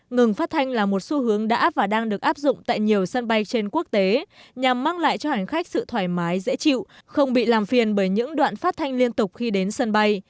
ngừng phát thanh là một xu hướng đã và đang được áp dụng tại nhiều sân bay trên quốc tế nhằm mang lại cho hành khách sự thoải mái dễ chịu không bị làm phiền bởi những đoạn phát thanh liên tục khi đến sân bay